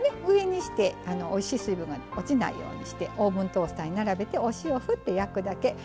上にしておいしい水分が落ちないようにしてオーブントースターに並べてお塩ふって焼くだけ。